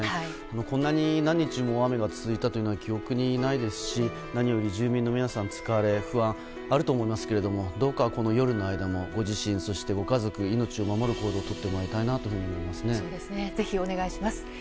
こんなに何日も雨が続いたというのは記憶にないですし何より住民の皆さん疲れ、不安あると思いますけれどもどうか夜の間もご自身、ご家族、命を守る行動をぜひお願いします。